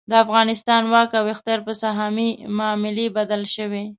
د افغانستان واک او اختیار په سهامي معاملې بدل شوی.